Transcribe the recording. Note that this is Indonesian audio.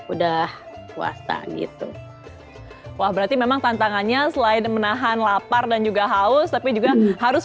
udah puasa gitu wah berarti memang tantangannya selain menahan lapar dan juga haus tapi juga harus